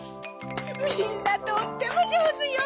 みんなとってもじょうずよ！